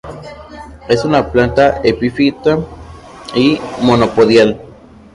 Es una planta epífita y monopodial.